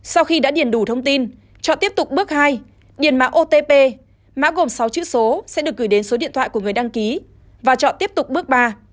sau khi đã điền đủ thông tin chọn tiếp tục bước hai điền mã otp mã gồm sáu chữ số sẽ được gửi đến số điện thoại của người đăng ký và chọn tiếp tục bước ba